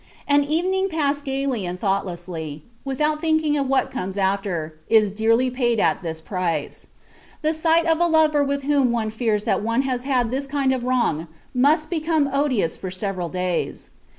An evening passed gaily and thoughtlessly, without thinking of what comes after, is dearly paid at this price. The sight of a lover with whom one fears that one has had this kind of wrong must become odious for several days.